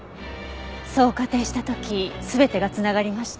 そう仮定した時全てが繋がりました。